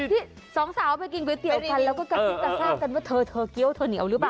ที่สองสาวไปกินก๋วยเตี๋ยวกันกระทริปกระทริปกันทราบว่าเธอเกี้ยวเหนี๋ยวหรือเปล่า